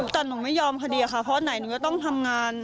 แต่หนูไม่ยอมคดีค่ะเพราะไหนหนูก็ต้องทำงาน